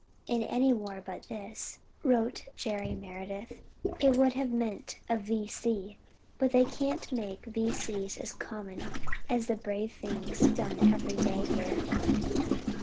"In any war but this," wrote Jerry Meredith, "it would have meant a V.C. But they can't make V.C.'s as common as the brave things done every day here."